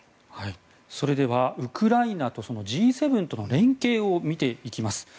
それでは、ウクライナとＧ７との連携を見ていきます。